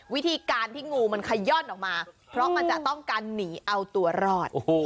วิธีการที่งูมันขย่อนออกมาเพราะมันจะต้องการหนีเอาตัวรอด